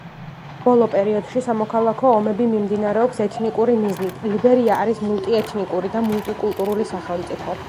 ბოლო პერიოდში სამოქალაქო ომები მიმდინარეობს ეთნიკური მიზნით, ლიბერია არის მულტიეთნიკური და მულტიკულტურული სახელმწიფო.